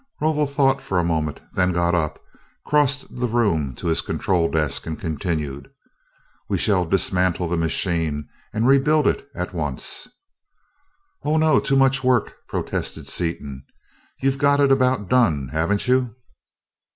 Rovol thought for a moment, then got up, crossed the room to his control desk, and continued, "We shall dismantle the machine and rebuild it at once." "Oh no too much work!" protested Seaton, "You've got it about done, haven't you?"